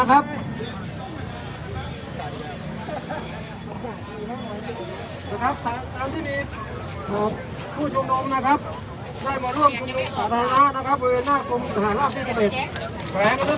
เอาใช่เอาใช่เอาใช่